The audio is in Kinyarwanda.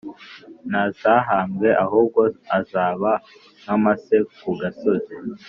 ntazahambwe ahubwo azaba nk amase ku gasozi